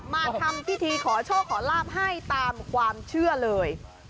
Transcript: มาทำพิธีขอโชคขอลาบให้ตามความเชื่อเลย